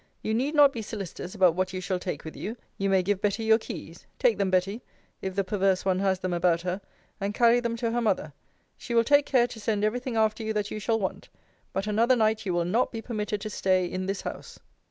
You need not be solicitous about what you shall take with you: you may give Betty your keys Take them, Betty, if the perverse one has them about her, and carry them to her mother. She will take care to send every thing after you that you shall want but another night you will not be permitted to stay in this house.